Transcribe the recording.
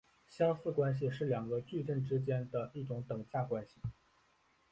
相似关系是两个矩阵之间的一种等价关系。